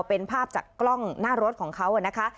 เป็นภาพจากกล้องหน้ารถของเขานะคะ